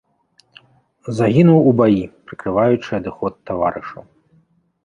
Загінуў у баі, прыкрываючы адыход таварышаў.